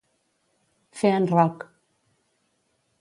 Fer en roc.